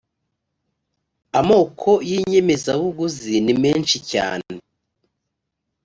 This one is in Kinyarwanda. amoko y’ inyemezabuguzi nimeshi cyane.